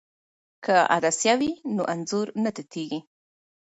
که عدسیه وي نو انځور نه تتېږي.